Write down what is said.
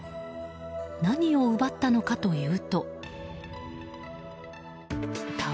何を奪ったのかというと。